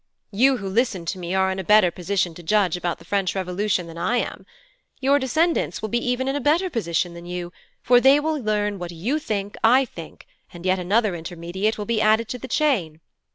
You who listen to me are in a better position to judge about the French Revolution than I am. Your descendants will be even in a better position than you, for they will learn what you think I think, and yet another intermediate will be added to the chain.